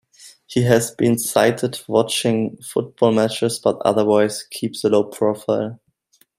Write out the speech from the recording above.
He has been sighted watching football matches but otherwise keeps a low profile.